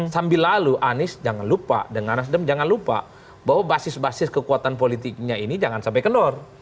sambil lalu anies jangan lupa dengan nasdem jangan lupa bahwa basis basis kekuatan politiknya ini jangan sampai kelor